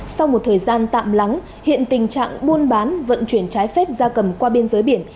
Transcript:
sau một thời gian tạm lắng hiện tình trạng buôn bán vận chuyển trái phép gia cầm qua biên giới biển